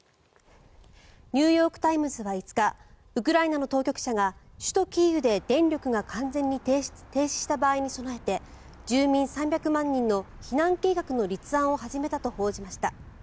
ニューヨーク・タイムズは５日ウクライナの当局者が首都キーウで、電力が完全に停止した場合に備えて住民３００万人の避難計画の立案を始めたと報じました。